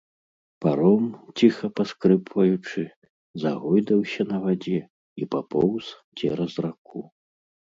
Паром, ціха паскрыпваючы, загойдаўся на вадзе і папоўз цераз раку.